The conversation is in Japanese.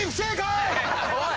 おい！